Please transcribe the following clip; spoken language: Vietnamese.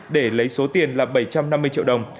để lấy số tiền là bảy trăm năm mươi triệu đồng